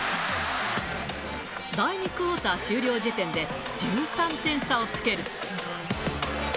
第２クオーター終了時点で１３点差をつける。